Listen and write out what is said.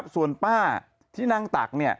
ส่วนป้าที่นั่งตัก